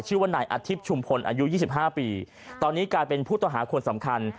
ชื่อว่านายอาทิตย์ชุมพลอายุ๒๕ปีตอนนี้กลายเป็นผู้ต้องหาคนสำคัญ